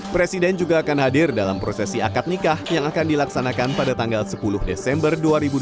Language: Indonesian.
presiden juga akan hadir dalam prosesi akad nikah yang akan dilaksanakan pada tanggal sepuluh desember dua ribu dua puluh